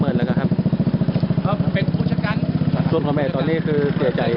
โปรดติดตามต่อไป